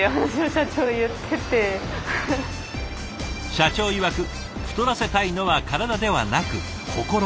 社長いわく太らせたいのは体ではなく心。